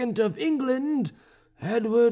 of England, Edward II.